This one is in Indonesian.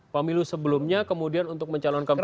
pemilu sebelumnya kemudian untuk mencalonkan diri